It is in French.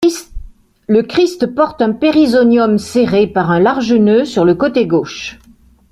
Le Christ porte un périzonium serré par un large nœud sur le côté gauche.